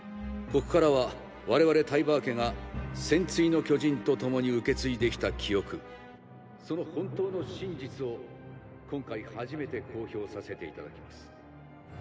ここからは我々タイバー家が「戦鎚の巨人」と共に受け継いできた記憶その本当の真実を今回初めて公表させていただきます。